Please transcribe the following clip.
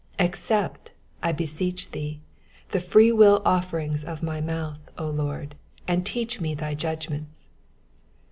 108 Accept, I beseech thee, the freewill offerings of my mouth, O Lord, and teach me thy judgments.